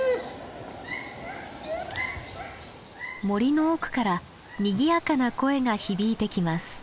森の奥からにぎやかな声が響いてきます。